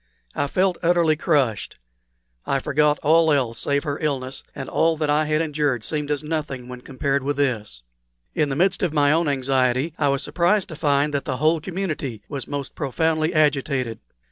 I felt utterly crushed. I forgot all else save her illness, and all that I had endured seemed as nothing when compared with this. In the midst of my own anxiety I was surprised to find that the whole community was most profoundly agitated.